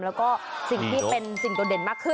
แล้วก็สิ่งที่เป็นสิ่งโดดเด่นมากขึ้น